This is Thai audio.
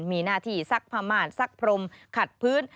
มีหน้าที่ซักผ้าม่านซักพรมขัดพื้น